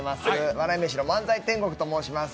「笑い飯の漫才天国」と申します。